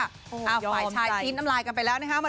โอ้ยอมใจเอ้าฝ่ายชายพีชน้ำลายกันไปแล้วนะฮะ